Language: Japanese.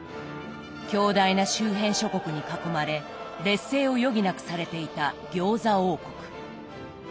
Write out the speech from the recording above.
強大な周辺諸国に囲まれ劣勢を余儀なくされていた餃子王国。